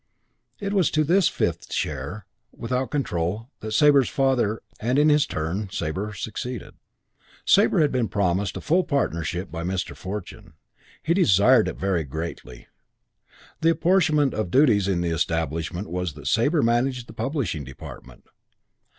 It was to this fifth share, without control, that Sabre's father and, in his turn, Sabre succeeded. V Sabre had been promised full partnership by Mr. Fortune. He desired it very greatly. The apportionment of duties in the establishment was that Sabre managed the publishing department.